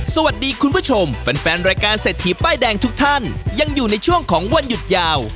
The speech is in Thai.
คุณผู้ชมแฟนแฟนรายการเศรษฐีป้ายแดงทุกท่านยังอยู่ในช่วงของวันหยุดยาว